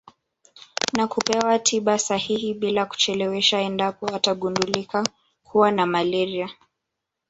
Na kupewa tiba sahihi bila kucheleweshwa endapo atagundulika kuwa na malaria